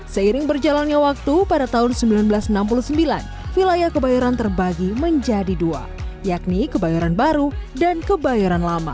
seiring berjalannya waktu pada tahun seribu sembilan ratus enam puluh sembilan wilayah kebayoran terbagi menjadi dua yakni kebayoran baru dan kebayoran lama